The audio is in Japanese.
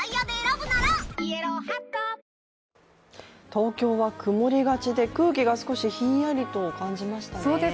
東京は曇りがちで、空気が少しひんやりと感じましたね。